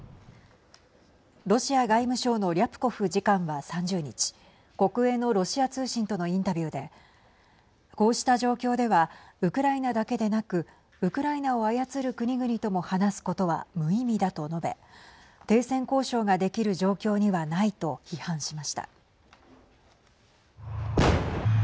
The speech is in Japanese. ロシア外務省のリャプコフ次官は３０日国営のロシア通信とのインタビューでこうした状況ではウクライナだけでなくウクライナを操る国々とも話すことは無意味だと述べ停戦交渉ができる状況にはないと批判しました。